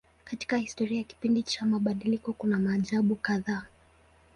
Katika historia ya kipindi cha mabadiliko kuna maajabu kadhaa.